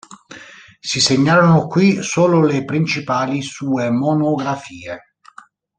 Si segnalano qui solo le principali sue monografie.